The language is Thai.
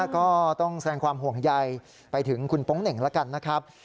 ก็ต้องแสดงความห่วงใยไปถึงคุณโป๊งเหน่งแล้วกันนะครับ